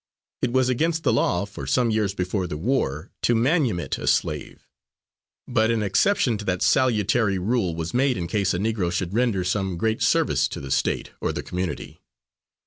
It was against the law, for some years before the war, to manumit a slave; but an exception to that salutary rule was made in case a Negro should render some great service to the State or the community.